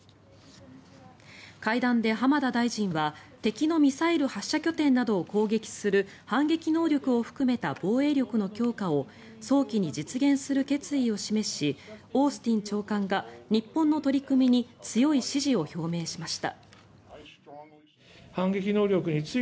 会談で浜田大臣は敵のミサイル発射拠点などを攻撃する反撃能力を含めた防衛力の強化を早期に実現する決意を示しオースティン長官が日本の取り組みに強い支持を表明しました。